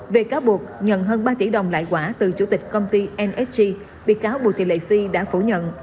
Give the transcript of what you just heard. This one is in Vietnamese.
về cáo buộc nhận hơn ba tỷ đồng lại quả từ chủ tịch công ty msg bị cáo bùi thị lệ phi đã phủ nhận